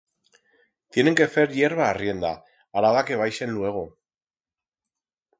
Tienen que fer hierba arrienda, araba que baixen luego.